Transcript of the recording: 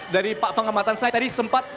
dari pengamatan saya tadi sempat